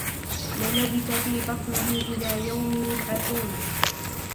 لَلَبِثَ فِي بَطْنِهِ إِلَى يَوْمِ يُبْعَثُونَ